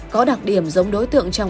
có đặc điểm giống đối tượng chức năng